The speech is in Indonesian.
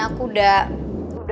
aku udah udah agak berpikir